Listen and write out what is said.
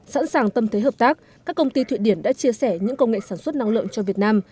sẵn sàng tâm thế hợp tác các công ty thụy điển đã chia sẻ những công nghệ sản xuất năng lượng cho việt nam